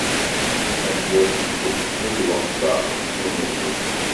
Am yal tikkelt n lweqt-a n unebdu.